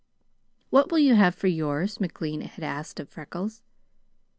"What will you have for yours?" McLean had asked of Freckles.